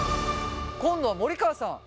今度は森川さん。